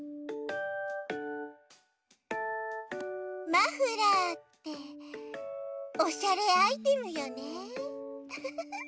マフラーっておしゃれアイテムよねウフフフ。